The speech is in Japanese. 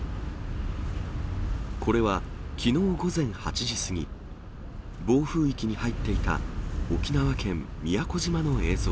これは、きのう午前８時過ぎ、暴風域に入っていた沖縄県宮古島の映像。